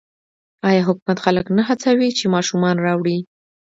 آیا حکومت خلک نه هڅوي چې ماشومان راوړي؟